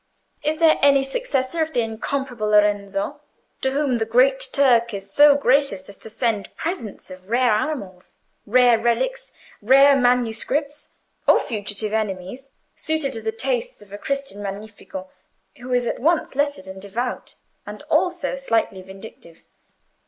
Is there any successor of the incomparable Lorenzo, to whom the great Turk is so gracious as to send over presents of rare animals, rare relics, rare manuscripts, or fugitive enemies, suited to the tastes of a Christian Magnifico who is at once lettered and devout—and also slightly vindictive?